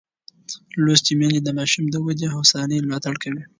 لوستې میندې د ماشوم د ودې او هوساینې ملاتړ کوي.